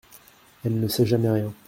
Elle ne sait jamais rien !